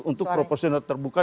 untuk proporsional terbuka